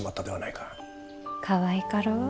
かわいかろう。